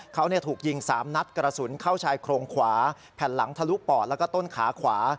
เขาถูกยิง๓นัดกระสุนเข้าชายโครงขวาแผ่นหลังทะลุปอดแล้วก็ต้นขาขวา